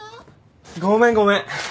ごめんごめん。